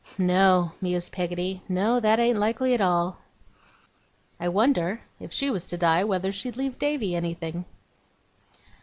'No!' mused Peggotty. 'No, that ain't likely at all. I wonder, if she was to die, whether she'd leave Davy anything?